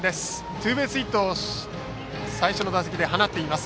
ツーベースヒットを最初の打席で放っています。